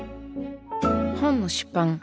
本の出版